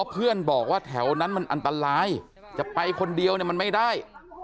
เพื่อนบอกว่าแถวนั้นมันอันตรายจะไปคนเดียวมันไม่ได้